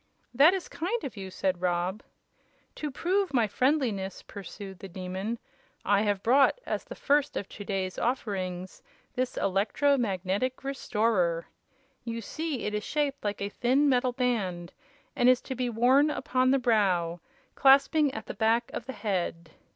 "That is kind of you," said Rob. "To prove my friendliness," pursued the Demon, "I have brought, as the first of to day's offerings this Electro Magnetic Restorer. You see it is shaped like a thin metal band, and is to be worn upon the brow, clasping at the back of the head.